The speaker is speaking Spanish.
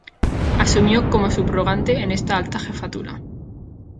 Asumió como subrogante en esta alta jefatura.